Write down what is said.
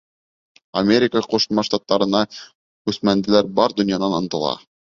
Америка Ҡушма Штаттарына күсмәнделәр бар донъянан ынтыла.